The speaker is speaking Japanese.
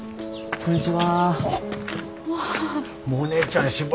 こんにちは。